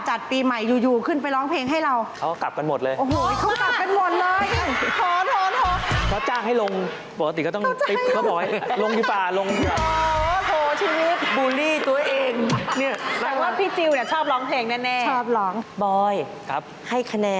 เฉาระสู้เราไม่ได้